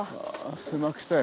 狭くて。